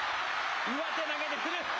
上手投げで来る。